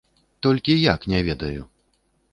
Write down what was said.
Толькі як, не ведаю.